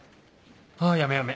あやめやめ！